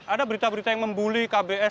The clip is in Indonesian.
ada berita berita yang membuli kbs